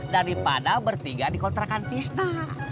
daripada bertiga di kontrakan tista